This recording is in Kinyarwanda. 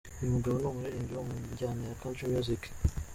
Uyu mugabo ni umuririmbyi wo mu njyana ya Country Music.